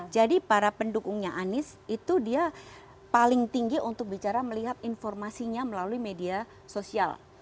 jadi para pendukungnya anies itu dia paling tinggi untuk bicara melihat informasinya melalui media sosial